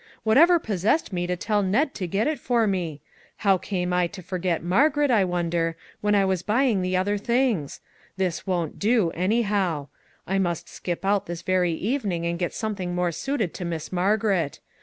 Whatever possessed me to tell Ned to get it for me ? How came I to forget Margaret, I wonder, when I was buying the other things? This won't do, anyhow. I must skip out this very evening and get something more suited to Miss Mar garet.